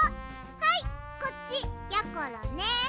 はいこっちやころね。